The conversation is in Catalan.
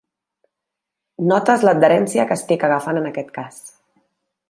Notes l'adherència que estic agafant en aquest cas.